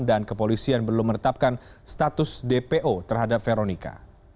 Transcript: dan kepolisian belum menetapkan status dpo terhadap veronica